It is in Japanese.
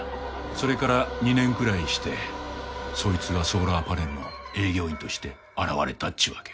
それから２年くらいしてそいつがソーラーパネルの営業員として現れたっちゅうわけや。